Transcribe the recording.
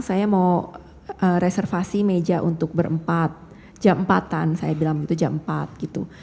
saya mau reservasi meja untuk berempat jam empatan saya bilang itu jam empat gitu